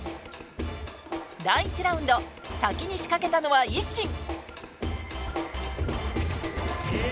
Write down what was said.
第１ラウンド先に仕掛けたのはＩＳＳＩＮ。